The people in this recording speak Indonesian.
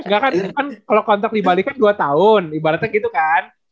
gak kan ini kan kalo kontrak dibalikan dua tahun ibaratnya gitu kan